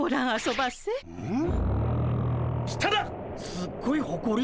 すっごいほこり！